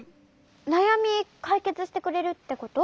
なやみかいけつしてくれるってこと？